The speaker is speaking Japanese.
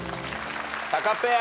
タカペア。